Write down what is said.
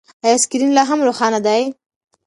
ایا سکرین لا هم روښانه دی؟